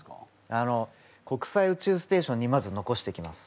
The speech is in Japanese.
あの国際宇宙ステーションにまず残していきます。